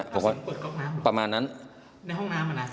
อ้าวมีคนเปิดก๊อกน้ำหรอประมาณนั้นในห้องน้ำอ่ะนะ